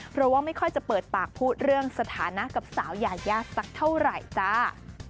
เพราะว่าไม่ค่อยจะเปิดปากพูดเรื่องสถานะกับสาวยายาสักเท่าไหร่จ้า